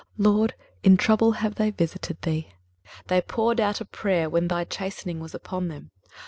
23:026:016 LORD, in trouble have they visited thee, they poured out a prayer when thy chastening was upon them.